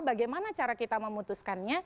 bagaimana cara kita memutuskan